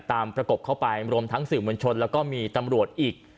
ประกบเข้าไปรวมทั้งสื่อมวลชนแล้วก็มีตำรวจอีก